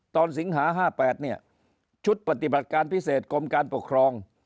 สิงหา๕๘เนี่ยชุดปฏิบัติการพิเศษกรมการปกครอง